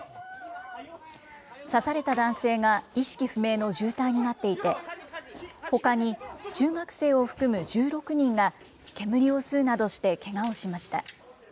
刺された男性が意識不明の重体になっていて、ほかに中学生を含む１６人が煙を吸うなどして、けがをしました。